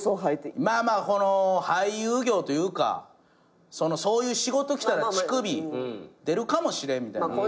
まあまあこの俳優業というかそういう仕事来たら乳首出るかもしれんみたいな。